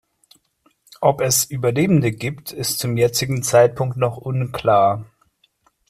Ob es Überlebende gibt, ist zum jetzigen Zeitpunkt noch unklar.